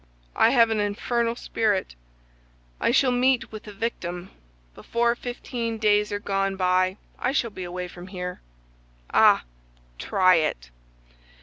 I have an infernal spirit. I shall meet with a victim. Before fifteen days are gone by I shall be away from here.' Ah, try it!"